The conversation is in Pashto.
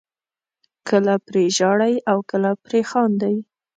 کله پرې ژاړئ او کله پرې خاندئ.